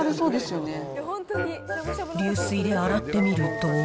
流水で洗ってみると。